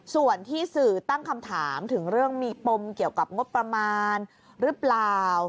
ส่วนที่สื่อตั้งคำถามถึงเรื่องมีปมเกี่ยวกับงบประมาณหรือเปล่า